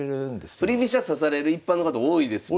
振り飛車指される一般の方多いですもんね。